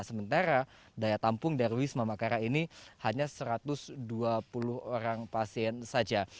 sementara daya tampung dari wisma makara ini hanya satu ratus dua puluh orang pasien saja